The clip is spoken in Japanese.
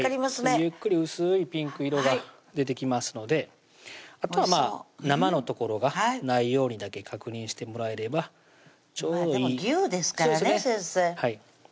ゆっくり薄いピンク色が出てきますのであとは生の所がないようにだけ確認してもらえればちょうどいい牛ですからね先生